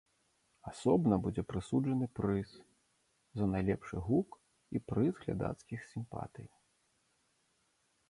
Асобна будзе прысуджаны прыз за найлепшы гук і прыз глядацкіх сімпатый.